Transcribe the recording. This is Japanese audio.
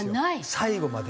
最後まで。